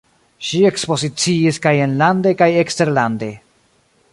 Ŝi ekspoziciis kaj enlande kaj eksterlande.